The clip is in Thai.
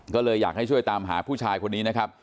ก็เลยอยากให้ช่วยตามหาผู้ชายคนนี้นะครับ